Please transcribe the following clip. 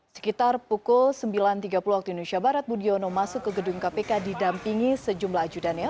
sekitar pukul sembilan tiga puluh waktu indonesia barat budiono masuk ke gedung kpk didampingi sejumlah ajudannya